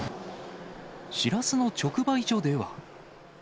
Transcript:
しらすの直売所では。